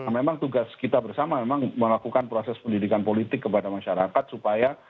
memang tugas kita bersama memang melakukan proses pendidikan politik kepada masyarakat supaya